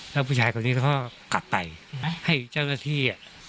แล้วผู้ชายคนนี้เขาก็กลับไปให้เจ้าหน้าที่